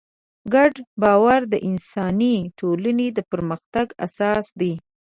ګډ باور د انساني ټولنو د پرمختګ اساس دی.